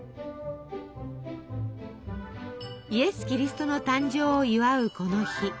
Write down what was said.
イエス・キリストの誕生を祝うこの日。